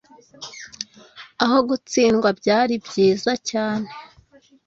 Aho gutsindwa, byari byiza cyane.